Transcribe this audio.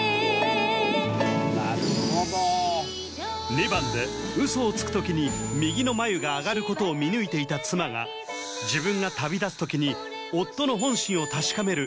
２番で嘘をつく時に右の眉が上がることを見抜いていた妻が自分が旅立つ時に夫の本心を確かめる